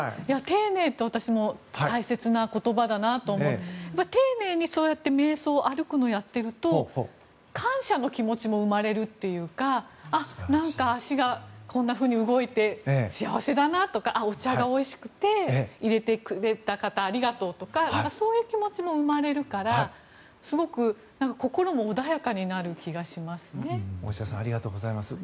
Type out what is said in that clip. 丁寧って私も大切な言葉だなと思って丁寧にめい想、歩くのをやっていると感謝の気持ちも生まれるというかあ、なんか足がこんなふうに動いて幸せだなとかああ、お茶がおいしくて入れてくれた方ありがとうとかそういう気持ちも生まれるからすごく心も穏やかになる気がしますね。